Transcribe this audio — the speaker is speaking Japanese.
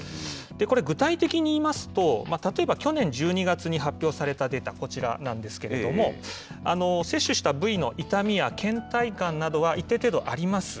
これ、具体的に言いますと、たとえば去年１２月に発表されたデータ、こちらなんですけれども、接種した部位の痛みやけん怠感などは一定程度あります。